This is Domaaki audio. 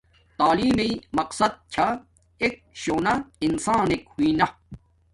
تعلیم میݵ مقصد چھا ایک شونا انسانک ہوݵ نا